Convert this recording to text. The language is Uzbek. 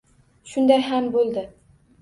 Shunday ham bo‘ldi.